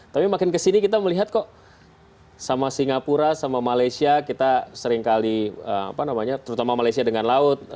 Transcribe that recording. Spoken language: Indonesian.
tapi makin kesini kita melihat kok sama singapura sama malaysia kita seringkali apa namanya terutama malaysia dengan laut